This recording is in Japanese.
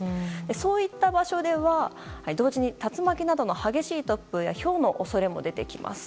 そういった場所では同時に台風などの激しい突風やひょうの恐れも出てきます。